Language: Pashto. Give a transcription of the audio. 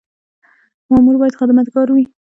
مامور باید خدمتګار وي